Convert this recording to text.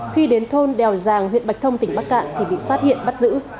khi đến thôn đèo giàng huyện bạch thông tỉnh bắc cạn thì bị phát hiện bắt giữ